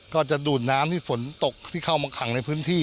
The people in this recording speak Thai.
ก็จะดูดน้ำที่ฝนตกที่เข้ามาขังในพื้นที่